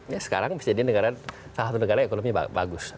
ya sekarang bisa jadi salah satu negara ekonomi bagus